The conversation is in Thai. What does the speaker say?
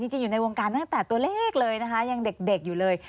อยู่ในวงการตั้งแต่ตัวเลขเลยนะคะยังเด็กอยู่เลย